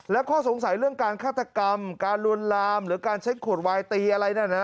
และข้อสงสัยเรื่องการฆาตกรรมการลวนลามหรือการใช้ขวดวายตีอะไรนั่นนะ